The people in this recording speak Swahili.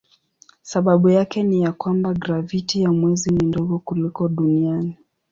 Sababu yake ni ya kwamba graviti ya mwezi ni ndogo kuliko duniani.